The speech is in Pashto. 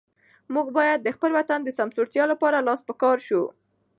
موږ باید د خپل وطن د سمسورتیا لپاره لاس په کار شو.